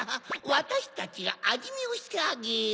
わたしたちがあじみをしてあげよう。